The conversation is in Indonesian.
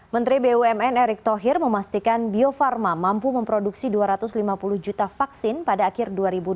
menteri bumn erick thohir memastikan bio farma mampu memproduksi dua ratus lima puluh juta vaksin pada akhir dua ribu dua puluh